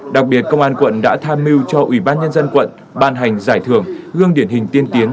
đặc biệt công an quận đã tham mưu cho ủy ban nhân dân quận ban hành giải thưởng gương điển hình tiên tiến